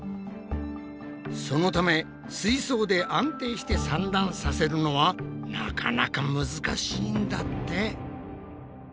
そのため水槽で安定して産卵させるのはなかなか難しいんだって。